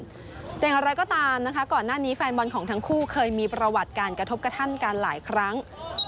แต่อย่างไรก็ตามก่อนหน้านี้แฟนบอลของทั้งคู่เคยมีประวัติอยู่กับการกระทบกระทั่นการอีกแล้ว